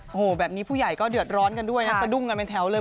โอ้โหแบบนี้ผู้ใหญ่ก็เดือดร้อนกันด้วยนะสะดุ้งกันเป็นแถวเลย